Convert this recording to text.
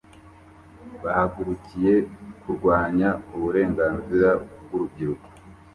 bahagurukiye kurwanya uburenganzira bwurubyiruko